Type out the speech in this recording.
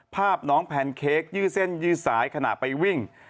ภาพน้องแพนเค้กยืดเส้นยืดสายขณะไปวิ่ง